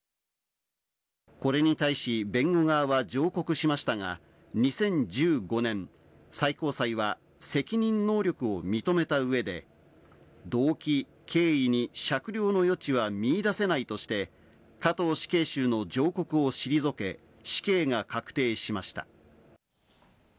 これに対し弁護側は上告しましたが、２０１５年、最高裁は責任能力を認めた上で、動機、経緯に酌量の余地は見いだせないとして、加藤死刑囚の上告を退け死刑が確定しました。